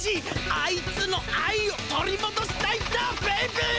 あいつの愛を取りもどしたいんだベイビー！